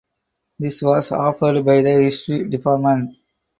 This was offered by the History Department.